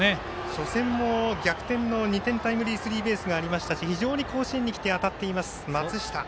初戦も逆転の２点タイムリースリーベースがありましたし非常に甲子園に来て当たっています、松下。